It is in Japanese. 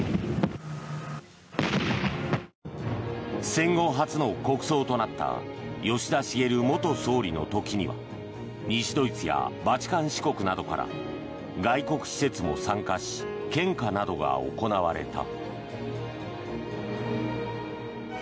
戦後初の国葬となった吉田茂元総理の時には西ドイツやバチカン市国などから外国使節も参加し献花などが行われた。